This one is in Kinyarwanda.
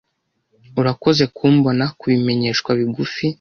Urakoze kumbona kubimenyeshwa bigufi.